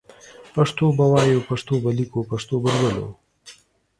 پښتو به وايو پښتو به ليکو پښتو به لولو